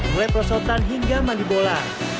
mulai perosotan hingga mandi bola